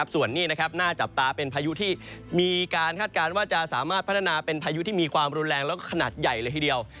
ส่วนนี้น่าจับตาเป็นพายุที่มีการคาดการณ์ว่าจะสามารถพัฒนาเป็นพายุที่มีความรุนแรงแล้วก็ขนาดใหญ่เลยทีเดียว